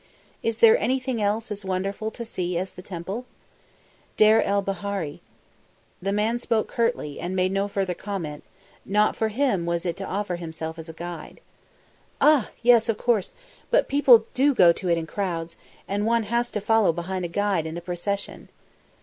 "Is there anything else as wonderful to see as the Temple?" "Deir el Bahari." The man spoke curtly and made no further comment; not for him was it to offer himself as guide. "Ah! yes, of course but people go to it in crowds, and one has to follow behind a guide in a procession."